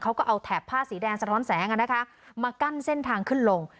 เขาก็เอาแถบผ้าสีแดงสะท้อนแสงมากั้นเส้นทางขึ้นลง